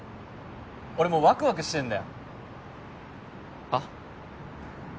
俺もうワクワクしてんだよはっ？